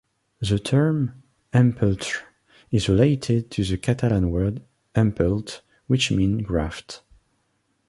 The term "empeltre" is related to the Catalan word "empelt", which means "graft".